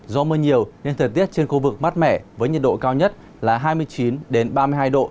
do mưa nhiều nên thời tiết trên khu vực mát mẻ với nhiệt độ cao nhất là hai mươi chín ba mươi hai độ